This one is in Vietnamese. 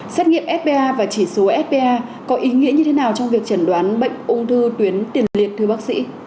xét nghiệm fpa và chỉ số fta có ý nghĩa như thế nào trong việc chẩn đoán bệnh ung thư tuyến tiền liệt thưa bác sĩ